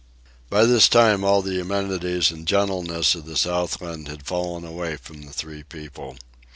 By this time all the amenities and gentlenesses of the Southland had fallen away from the three people.